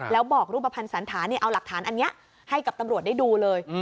แล้วบอกรูปภัณฑ์สันธาเอาหลักฐานอันนี้ให้กับตำรวจได้ดูเลย